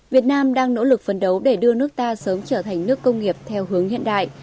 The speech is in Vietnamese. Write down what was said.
việt nam đang nỗ lực phấn đấu để đưa nước ta sớm trở thành nước công nghiệp theo hướng hiện đại